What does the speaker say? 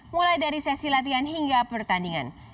mulai dari sesi latihan hingga pertandingan